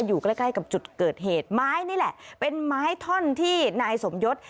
อยู่ใกล้ใกล้กับจุดเกิดเหตุไม้นี่แหละเป็นไม้ท่อนที่นายสมยศ